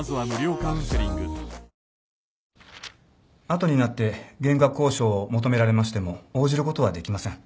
後になって減額交渉を求められましても応じることはできません。